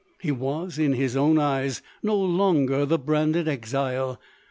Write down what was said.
He was in his own eyes no longer the branded exile.